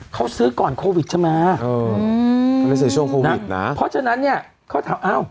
เขาซื้อก่อนโควิดจะมาเพราะฉะนั้นเนี่ยเขาถาม